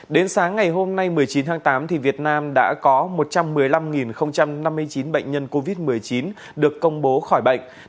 đến sáng ngày hôm nay một mươi chín tháng tám việt nam đã có một trăm một mươi năm năm mươi chín bệnh nhân covid một mươi chín được công bố khỏi bệnh